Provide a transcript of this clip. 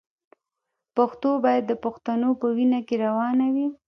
پښتو باید د پښتنو په وینه کې روانه وي.